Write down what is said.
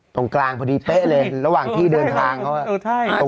ตรงกลางพอดีเป๊ะเลยระหว่างที่เดินทางเขาอ่ะ